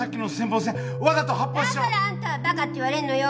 だからあんたはバカって言われんのよ。